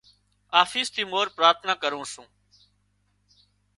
آفيس ٿِي مورِ پراٿنا ڪرُون سُون۔